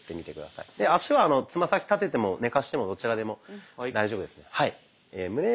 足はつま先立てても寝かしてもどちらでも大丈夫ですので。